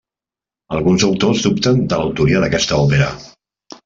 Alguns autors dubten de l'autoria d'aquesta òpera.